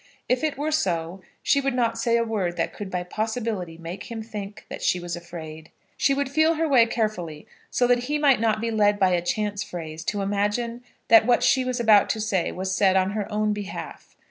If it were so, she would not say a word that could by possibility make him think that she was afraid. She would feel her way carefully, so that he might not be led by a chance phrase to imagine that what she was about to say was said on her own behalf.